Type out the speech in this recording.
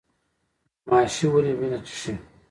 ماشی ولې وینه څښي؟